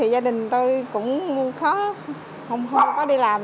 gia đình tôi cũng không đi làm